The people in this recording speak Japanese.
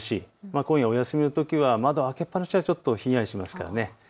今夜、お休みのときは窓、開けっぱなしはひんやりします。